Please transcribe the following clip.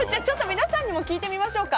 皆さんにも聞いてみましょうか。